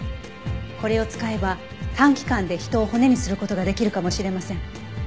これを使えば短期間で人を骨にする事ができるかもしれません。